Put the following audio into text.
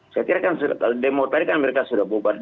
saya kira kan mereka sudah bubarkan